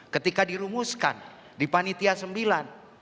ketika dirumuskan di panitia sembilan